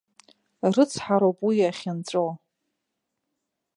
Рыцҳароуп уи ахьынҵәо.